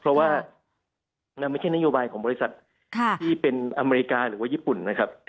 เพราะว่ามันไม่ใช่นโยบายของบริษัทที่เป็นอเมริกาหรือว่าญี่ปุ่นนะครับ